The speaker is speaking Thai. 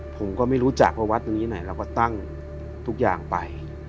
ผมก็ไม่รู้จักว่าวัดตรงนี้ไหนเราก็ตั้งทุกอย่างไป